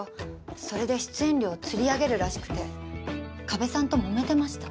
それで出演料をつり上げるらしくて加部さんともめてました